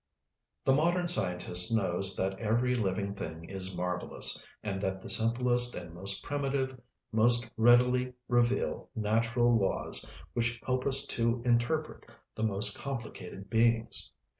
The modern scientist knows that every living thing is marvelous, and that the simplest and most primitive most readily reveal natural laws which help us to interpret the most complicated beings.